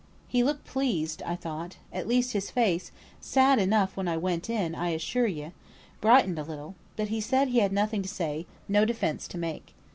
He looked pleased, I thought, at least his face (sad enough when I went in, I assure ye) brightened a little; but he said he had nothing to say, no defence to make.